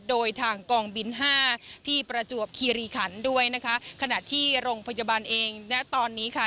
โดยทางกองบินห้าที่ประจวบคีรีขันด้วยนะคะขณะที่โรงพยาบาลเองณตอนนี้ค่ะ